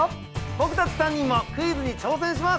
ぼくたち３人もクイズに挑戦します！